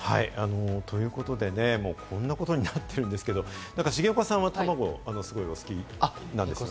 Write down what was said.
こんなことになってるんですけど、重岡さんは、たまご、すごくお好きなんですよね。